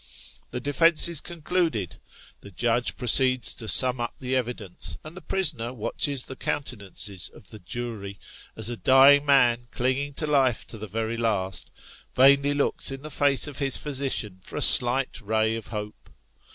The defence is concluded ; the judge proceeds to sum up the evidence ; and the prisoner watches the countenances of the jury, as a dying man, clinging to life to the very last, vainly looks in the face of his physician for a slight ray of hope.